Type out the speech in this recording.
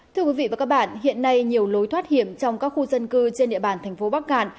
thưa quý vị và các bạn hiện nay nhiều lối thoát hiểm trong các khu dân cư trên địa bàn thành phố bắc cạn